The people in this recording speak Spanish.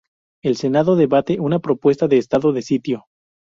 El Senado debate una propuesta de Estado de sitio.